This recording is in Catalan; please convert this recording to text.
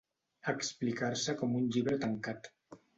Explicar-se com un llibre tancat.